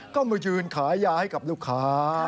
ก็มายืนขายยาให้กับลูกค้า